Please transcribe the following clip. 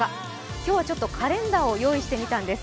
今日はカレンダーを用意してみたんです。